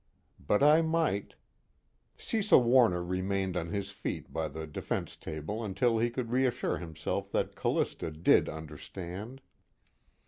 But I might_ Cecil Warner remained on his feet by the defense table until he could reassure himself that Callista did understand.